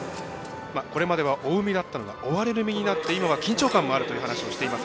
これまでは追う身だったのが追われる身になって今は緊張感もあるという話もしています。